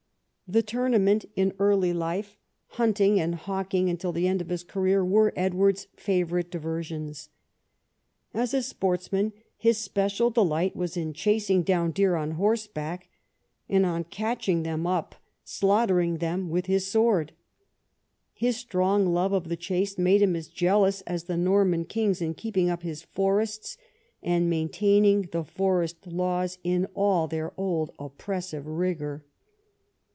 The tournament in early life, hunting and hawking until the end of his career, were Edward's favourite diversions. As a sportsman his special delight Avas in chasing down deer on horseback, and, on catching them up, slaughtering them with his sword. His strong love of the chase made him as jealous as the Norman kings in keeping up his forests and maintaining the forest laws in their old oppressive rigour.